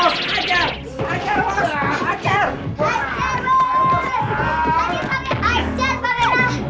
serang banget itu pangeran